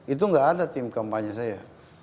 itu nggak ada tim kampanye saya